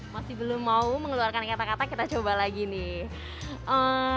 masih belum mau mengeluarkan kata kata kita coba lagi nih